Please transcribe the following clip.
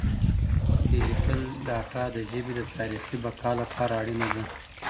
ډیجیټل ډیټا د ژبې د تاریخي بقا لپاره اړینه ده.